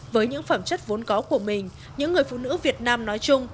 với những phẩm chất vốn có của mình những người phụ nữ việt nam nói chung